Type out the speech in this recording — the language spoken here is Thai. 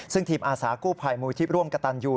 ซึ่งทีมอาสากู้ภัยมูลที่ร่วมกระตันยู